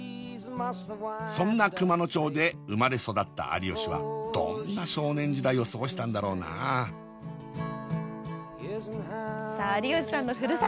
そんな熊野町で生まれ育った有吉はどんな少年時代を過ごしたんだろうなあさあ有吉さんの故郷